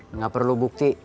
enggak perlu bukti